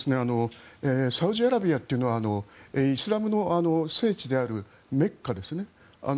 サウジアラビアというのはイスラムの聖地であるメッカですね。